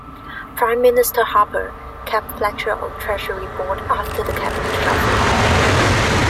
Prime Minister Harper kept Fletcher on Treasury Board after the Cabinet Shuffle.